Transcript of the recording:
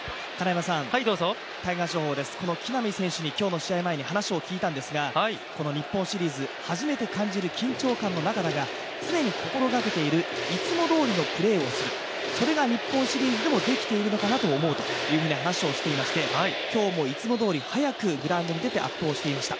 タイガース情報です、木浪選手に試合前、話を聞いたんですが日本シリーズ、初めて感じる緊張感の中だが常に心がけている、いつもどおりのプレーをするそれが日本シリーズでもできているのかなと思うというふうに話をしていまして今日もいつもどおり、早くグラウンドに出てアップをしていました。